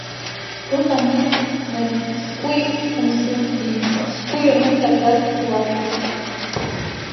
Дыҟами, нас, згәы иқәымсызгьы, згәы ианымҟьаӡазгьы уашәабжь?!